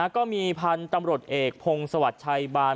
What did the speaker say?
ก็มีพันธุ์ตำรวจเอกพงศวรรค์ชัยบาล